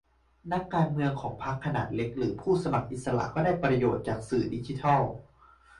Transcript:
นักการเมืองของพรรคขนาดเล็ก หรือผู้สมัครอิสระก็ได้ประโยชน์จากสื่อดิจิทัล